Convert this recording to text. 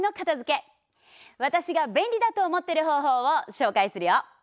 私が便利だと思ってる方法をしょうかいするよ！